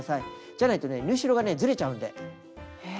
じゃないとね縫い代がねずれちゃうんで。